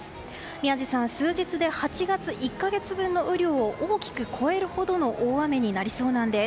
宮司さん、数日で８月１か月分の雨量を大きく超えるほどの大雨になりそうなんです。